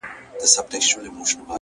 زما د دواړو سترگو!! تورې مه ځه!!